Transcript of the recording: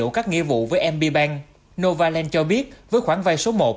ngoài đủ các nghĩa vụ với mb bank novaland cho biết với khoản vay số một